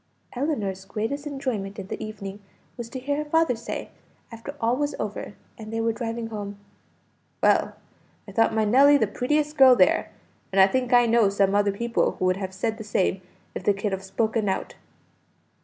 Ellinor's greatest enjoyment in the evening was to hear her father say, after all was over, and they were driving home "Well, I thought my Nelly the prettiest girl there, and I think I know some other people who would have said the same if they could have spoken out."